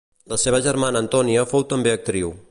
La seva germana Antònia fou també actriu.